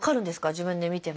自分で見ても。